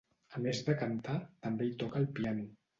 A més de cantar, també hi toca el piano.